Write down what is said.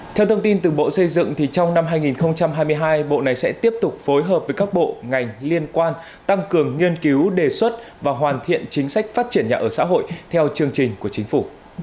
theo thông tin từ bộ xây dựng trong năm hai nghìn hai mươi hai bộ này sẽ tiếp tục phối hợp với các bộ ngành liên quan tăng cường nghiên cứu đề xuất và hoàn thiện chính sách phát triển nhà ở xã hội theo chương trình của chính phủ